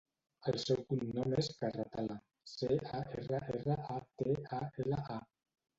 El seu cognom és Carratala: ce, a, erra, erra, a, te, a, ela, a.